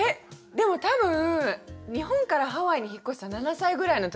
でも多分日本からハワイに引っ越した７歳ぐらいのときでした。